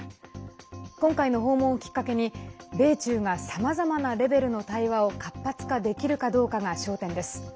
今回の訪問をきっかけに米中がさまざまなレベルの対話を活発化できるかどうかが焦点です。